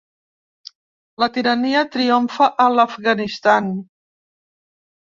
La tirania triomfa a l’Afganistan.